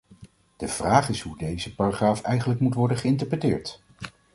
De vraag is hoe deze paragraaf eigenlijk moet worden geïnterpreteerd.